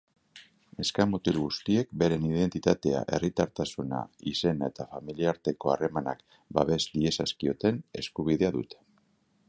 Neska-mutil guztiek beren identitatea, herritartasuna, izena eta familiarteko harremanak babes diezazkioten eskubidea dute.